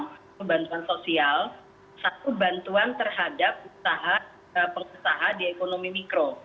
satu bantuan sosial satu bantuan terhadap usaha pengusaha di ekonomi mikro